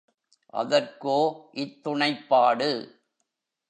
அதற்கோ இத்துணைப் பாடு?